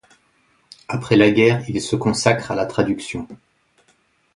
Après la guerre, il se consacre à la traduction.